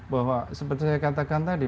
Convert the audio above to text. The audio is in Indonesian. bahwa seperti saya katakan tadi